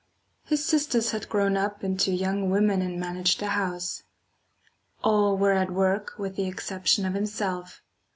His sisters had grown up into young women and managed the house. All were at work with the exception of himself.